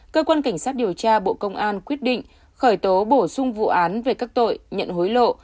cơ quan cảnh sát điều tra bộ công an quyết định khởi tố bổ sung vụ án về các tội nhận hối lộ